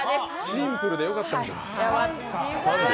シンプルでよかったのか。